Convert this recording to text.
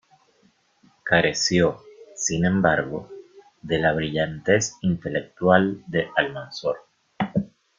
Careció, sin embargo, de la brillantez intelectual de Almanzor.